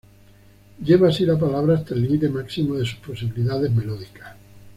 Lleva así la palabra hasta el límite máximo de sus posibilidades melódicas.